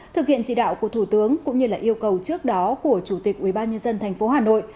thực hiện chỉ đạo của thủ tướng cũng như yêu cầu trước đó của chủ tịch ubnd tp hà nội